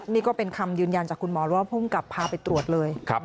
นี่ก็เป็นคำยืนยันจากคุณหมอว่าภูมิกับพาไปตรวจเลย